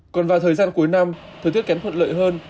còn vào thời gian cuối năm thời tiết kém thuận lợi hơn